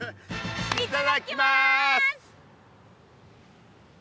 いただきます！